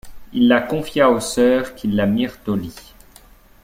Il la confia aux sœurs qui la mirent au lit.